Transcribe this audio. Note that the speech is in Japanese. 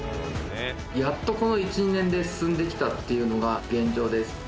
やっとこの１２年で進んできたっていうのが現状です。